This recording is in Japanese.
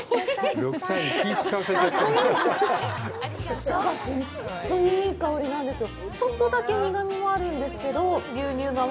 お茶が本当にいい香りなんですよ。